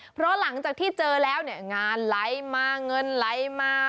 เพราะหลังจากที่เจอแล้วเนี่ยงานไหลมาเงินไหลมา